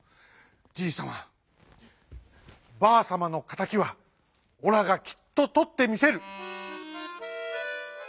じいさまばあさまのかたきはオラがきっととってみせる！」。